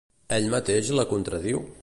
Ell mateix la contradiu?